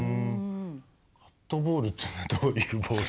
カットボールっていうのはどういうボール？